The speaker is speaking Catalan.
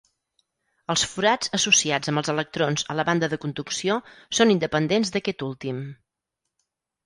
Els forats associats amb els electrons a la banda de conducció són independents d'aquest últim.